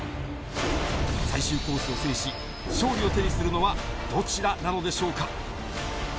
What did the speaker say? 最終コースを制し、勝利を手にするのは、どちらなのでしょうか。